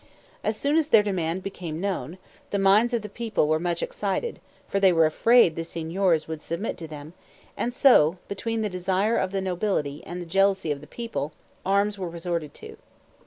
As soon as their demand became known, the minds of the people were much excited; for they were afraid the Signors would submit to them; and so, between the desire of the nobility and the jealousy of the people, arms were resorted to.